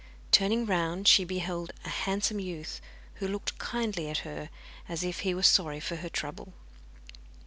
Turning round she beheld a handsome youth, who looked kindly at her, as if he were sorry for her trouble.